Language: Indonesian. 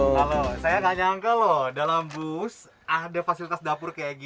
halo saya gak nyangka loh dalam bus ada fasilitas dapur kayak gini